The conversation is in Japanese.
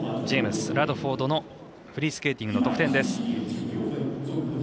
ジェイムス、ラドフォードのフリースケーティングの得点です。